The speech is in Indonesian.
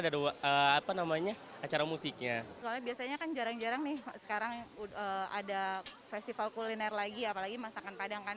soalnya biasanya kan jarang jarang nih sekarang ada festival kuliner lagi apalagi masakan padang kan